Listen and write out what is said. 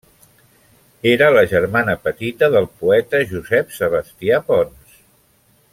Era la germana petita del poeta Josep Sebastià Pons.